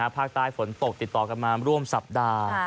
ภาคใต้ฝนตกติดต่อกันมาร่วมสัปดาห์